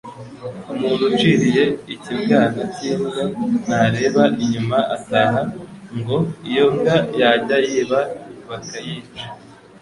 Umuntu uciriye ikibwana cy’imbwa ntareba inyuma ataha ,ngo iyo mbwa yajya yiba bakayica